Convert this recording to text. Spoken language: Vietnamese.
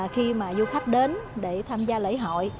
khi mà du khách đến để tham gia lễ hội